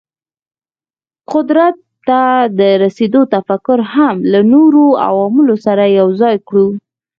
قدرت ته د رسېدو تفکر هم له نورو عواملو سره یو ځای کړو.